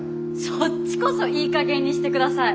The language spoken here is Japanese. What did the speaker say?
そっちこそいい加減にして下さい。